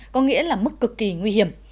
có nghĩa là mức cực kỳ nguy hiểm